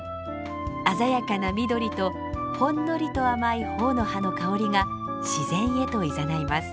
鮮やかな緑とほんのりと甘い朴の葉の香りが自然へといざないます。